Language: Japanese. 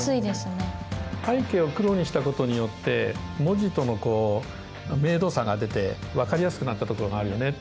背景を黒にしたことによって文字との明度差が出て分かりやすくなったところがあるよね。